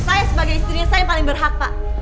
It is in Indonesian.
saya sebagai istrinya saya yang paling berhak pak